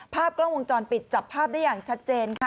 ภาพกล้องวงจรปิดจับภาพได้อย่างชัดเจนค่ะ